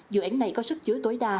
dự án này có sức chứa tối đa